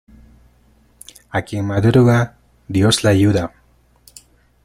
A quien madruga, dios le ayuda.